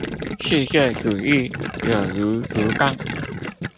世界主義有如竹槓